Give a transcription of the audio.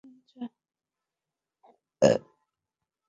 অপুর তো ইচ্ছা সে এখনই যায়।